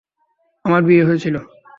আমার বিয়ে হয়েছিল।